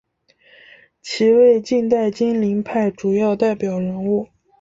其为近代金陵派主要代表人物。